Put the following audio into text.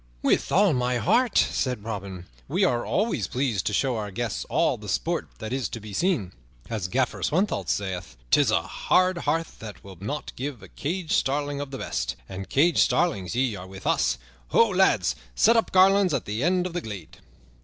"With all my heart," said Robin, "we are always pleased to show our guests all the sport that is to be seen. As Gaffer Swanthold sayeth, ''Tis a hard heart that will not give a caged starling of the best'; and caged starlings ye are with us. Ho, lads! Set up a garland at the end of the glade."